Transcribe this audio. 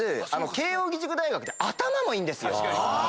慶應義塾大学で頭もいいんですよ。